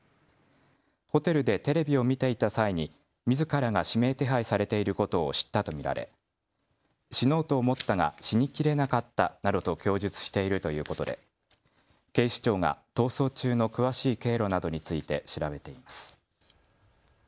ホテルでテレビを見ていた際にみずからが指名手配されていることを知ったと見られ死のうと思ったが死にきれなかったなどと供述しているということで警視庁が逃走中の詳しい経路などについて調べています。